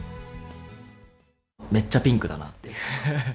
めっちゃピンクだなって。